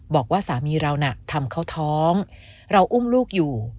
บอกว่าสามีเราน่ะทำเขาท้องเราอุ้มลูกอยู่